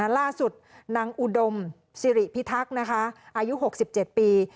ล่าสุดนางอุดมสิริพิทักษ์อายุ๖๗ปี